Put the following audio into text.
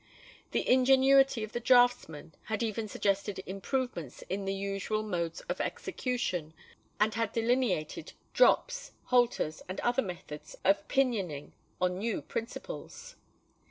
The ingenuity of the draughtsman had even suggested improvements in the usual modes of execution, and had delineated drops, halters, and methods of pinioning on new principles!